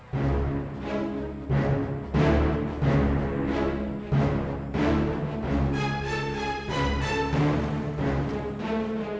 sampai jumpa di video selanjutnya